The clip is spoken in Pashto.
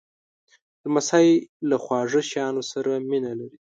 لمسی له خواږه شیانو سره مینه لري.